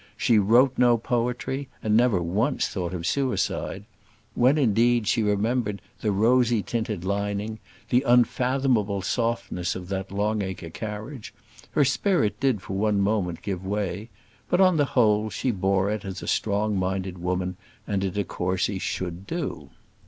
She wrote no poetry, and never once thought of suicide. When, indeed, she remembered the rosy tinted lining, the unfathomable softness of that Long acre carriage, her spirit did for one moment give way; but, on the whole, she bore it as a strong minded woman and a de Courcy should do.